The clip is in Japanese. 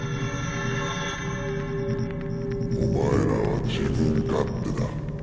お前らは自分勝手だ。